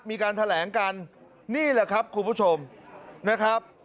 มีการแถลงกันนี่แหละครับคุณผู้ชมนะครับ